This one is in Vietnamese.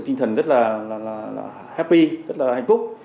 tinh thần rất là happy rất là hạnh phúc